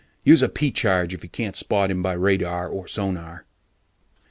Use a P charge if you can't spot him by radar or sonar.